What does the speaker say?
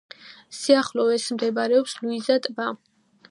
სიახლოვეს მდებარეობს ლუიზის ტბა.